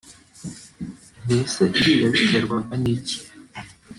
Mbese ibi yabiterwaga niki